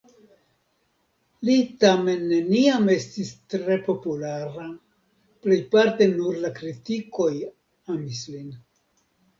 Li tamen neniam estis tre populara, plejparte nur la kritikoj amis lin.